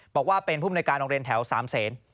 บอกว่าเป็นภูมิในการโรงเรียนแถวสามเศษ